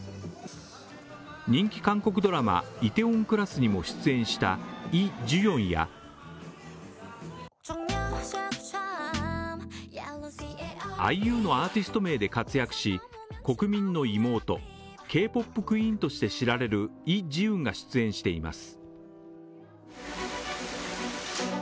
人気韓国ドラマ「梨泰院クラス」にも出演したイ・ジュヨンやＩＵというアーティスト名で活躍し、国民の妹Ｋ−ＰＯＰクイーンとして知られるイ・ジウンが出演しています。